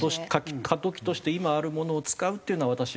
過渡期として今あるものを使うっていうのは私はあり。